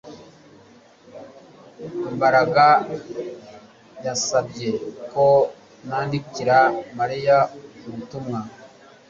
Mbaraga yansabye ko nandikira Mariya ubutumwa